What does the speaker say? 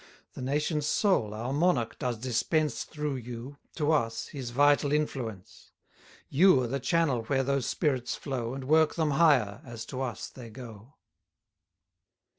The nation's soul, our monarch, does dispense, Through you, to us his vital influence: You are the channel where those spirits flow, And work them higher, as to us they go.